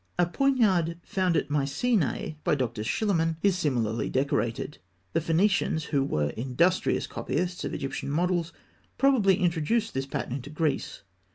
A poignard found at Mycenae by Dr. Schliemann is similarly decorated; the Phoenicians, who were industrious copyists of Egyptian models, probably introduced this pattern into Greece.